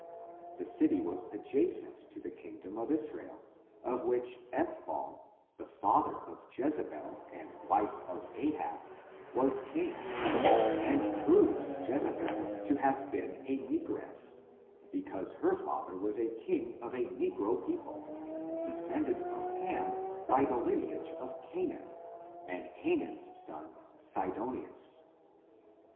This city was adjacent to the long # dom of Israel, of which Ethball, the father of Jezebel, the wife of Ahabj was king, and proves Jezebel to have been a negress ; because her father was a king of a negro people, descended from Ham by the line age of Canaan, and Canaan's son, Sidonius.